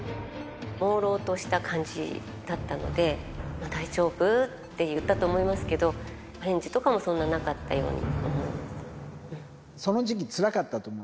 もうろうとした感じだったので、大丈夫？って言ったと思いますけど、返事とかもそんななかったようにその時期、つらかったと思う。